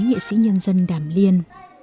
nghệ sĩ nhân dân đàm liên